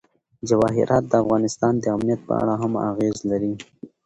جواهرات د افغانستان د امنیت په اړه هم اغېز لري.